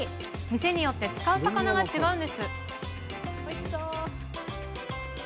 店によって使う魚が違うんです。